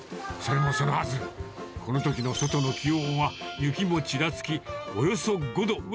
それもそのはず、このときの外の気温は、雪もちらつき、およそ５度。